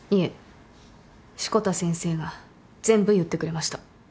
志子田先生が全部言ってくれました。